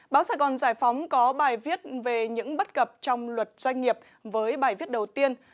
báo sài gòn giải phóng có bài viết về những bất cập trong luật doanh nghiệp với bài viết đầu tiên